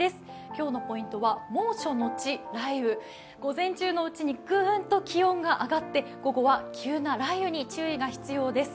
今日のポイントは猛暑のち雷雨、午前中のうちにぐーんと気温が上がって午後は急な雷雨に注意が必要です。